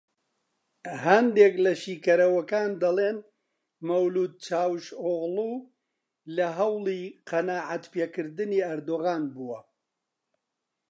هەندێک لە شیکەرەوەکان دەڵێن مەولود چاوشئۆغڵو لە هەوڵی قەناعەتپێکردنی ئەردۆغان بووە